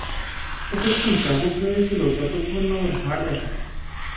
ততক্ষণ চাবুক মেরেছিল যতক্ষণ না ওর হাড় দেখা যায়।